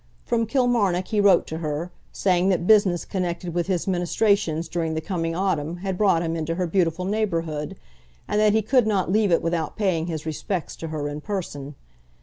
From Kilmarnock he wrote to her, saying that business connected with his ministrations during the coming autumn had brought him into her beautiful neighbourhood, and that he could not leave it without paying his respects to her in person.